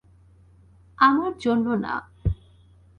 আমার জন্য না।